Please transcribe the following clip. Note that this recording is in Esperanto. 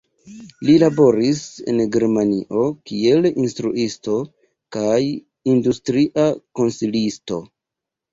Li laboris en Germanio kiel instruisto kaj industria konsilisto.